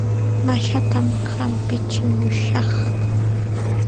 Mashaatam hampichimushaq.